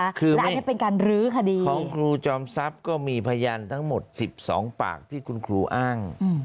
และอันนี้เป็นการรื้อคดีของครูจอมทรัพย์ก็มีพยานทั้งหมด๑๒ปากที่คุณครูอ้าง